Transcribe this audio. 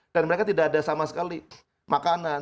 dan mereka tidak ada sama sekali makanan